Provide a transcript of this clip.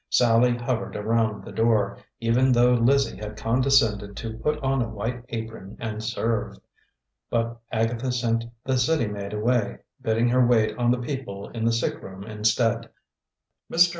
Sallie hovered around the door, even though Lizzie had condescended to put on a white apron and serve. But Agatha sent the city maid away, bidding her wait on the people in the sick room instead. Mr.